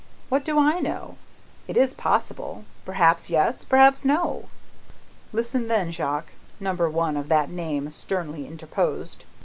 What do I know? It is possible. Perhaps yes, perhaps no." "Listen then, Jacques," Number One of that name sternly interposed.